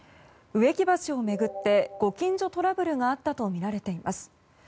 植木鉢を巡ってご近所トラブルがあったとみられています。